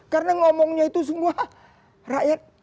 karena ngomongnya itu semua rakyat